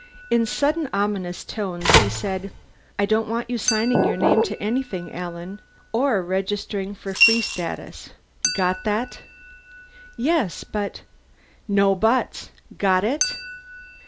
In suddenly ominous tones he said, "I don't want you signing your name to anything, Alan. Or registering for Free Status. Got that?" "Yes, but " "No buts! Got it?"